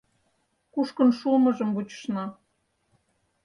Кушкын шуымыжым вучышна.